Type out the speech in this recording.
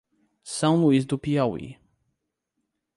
São Luís do Piauí